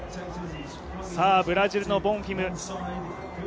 ブラジルのボンフィム。